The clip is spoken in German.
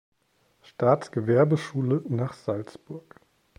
Staatsgewerbeschule nach Salzburg.